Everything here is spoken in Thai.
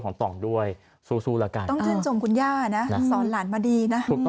ต่องด้วยสู้แล้วกันต้องชื่นชมคุณย่านะสอนหลานมาดีนะ